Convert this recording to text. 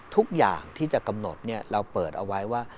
ทุกอย่างที่จะกำหนดเราเปิดเอาไว้ว่า